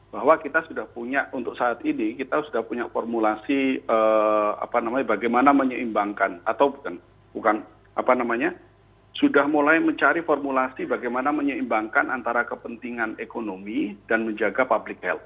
jadi kita sudah punya untuk saat ini kita sudah punya formulasi bagaimana menyeimbangkan atau bukan apa namanya sudah mulai mencari formulasi bagaimana menyeimbangkan antara kepentingan ekonomi dan menjaga public health